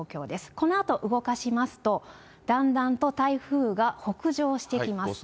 このあと動かしますと、だんだんと台風が北上していきます。